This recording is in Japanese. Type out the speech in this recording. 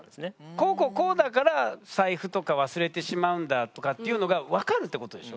こうこうこうだから財布とか忘れてしまうんだとかっていうのが分かるってことでしょ？